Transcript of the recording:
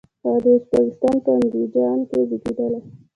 هغه د ازبکستان په اندیجان کې زیږیدلی.